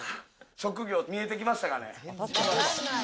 職業見えてきましたかね？